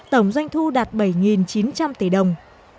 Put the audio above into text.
tổng doanh thu đạt bảy chín trăm linh tỷ đồng